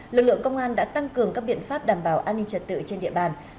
lực lượng công an đã tăng cường các biện pháp đảm bảo an ninh trật tự trên địa bàn